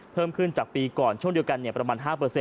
เพิ่มขึ้นจากปีก่อนช่วงเดียวกันประมาณ๕